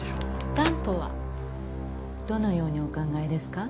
担保はどのようにお考えですか？